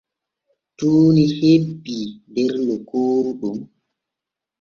Tuuni hebbii der lokooru ɗon.